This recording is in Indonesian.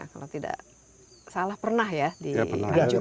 kalau tidak salah pernah ya dihajukan